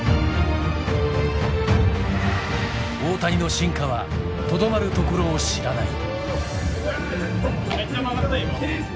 大谷の進化はとどまるところを知らない。